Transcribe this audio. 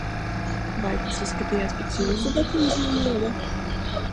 Vai tas izskatījās pēc jūsu datuma zīmoga?